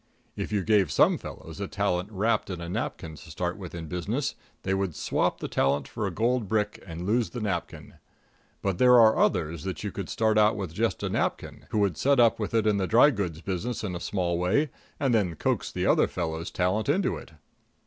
If you gave some fellows a talent wrapped in a napkin to start with in business, they would swap the talent for a gold brick and lose the napkin; and there are others that you could start out with just a napkin, who would set up with it in the dry goods business in a small way, and then coax the other fellow's talent into it.